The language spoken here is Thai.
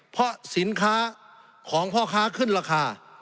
เพราะสินค้าของพ่อค้าขึ้นราคา